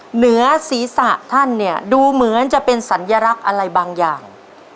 เหนือศีรษะท่านเนี่ยดูเหมือนจะเป็นสัญลักษณ์อะไรบางอย่าง